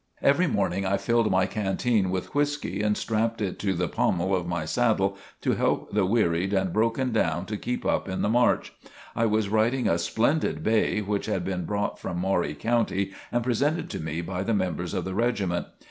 Every morning I filled my canteen with whiskey and strapped it to the pommel of my saddle to help the wearied and broken down to keep up in the march. I was riding a splendid bay which had been brought from Maury County and presented to me by the members of the regiment.